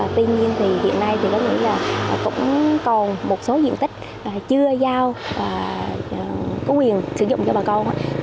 tuy nhiên thì hiện nay cũng còn một số diện tích chưa giao và có quyền sử dụng cho bà công